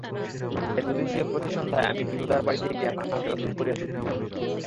এতদিন যে প্রতি সন্ধ্যায় আমি বিনুদার বাড়িতে গিয়া তাঁহাকে অস্থির করিয়া তুলিয়াছিলাম।